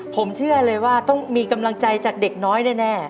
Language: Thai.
ผมเชื่อเลยว่าต้องมีกำลังใจจากเด็กน้อยแน่